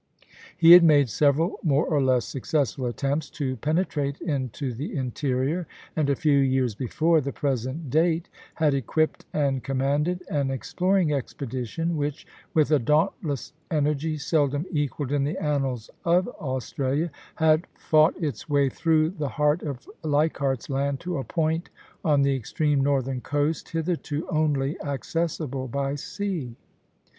He had made several more or less successful attempts to penetrate into the interior, and a few years before the present date had equipped and commanded an exploring expedition, which, with a dauntless energy seldom equalled in the annals of Australia, had fought its way through the heart of Leichardt's Land to a point on the extreme northern coast, hitherto only accessible by sea.